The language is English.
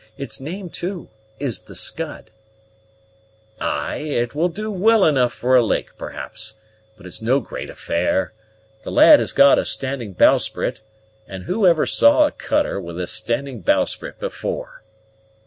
Its name, too, is the Scud." "Ay, it will do well enough for a lake, perhaps, but it's no great affair. The lad has got a standing bowsprit, and who ever saw a cutter with a standing bowsprit before?"